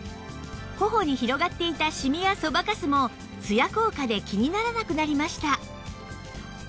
頬に広がっていたシミやそばかすもツヤ効果で気にならなくなりました